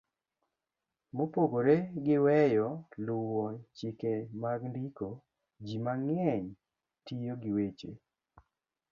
Mopogore gi weyo luwo chike mag ndiko, ji mang'eny tiyo gi weche